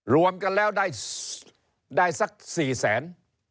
รวมกันแล้วได้สัก๔แสน